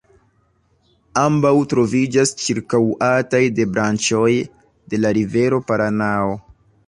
Ambaŭ troviĝas ĉirkaŭataj de branĉoj de la rivero Paranao.